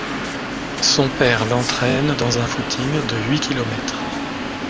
Son père l'entraîne dans un footing de huit kilomètres.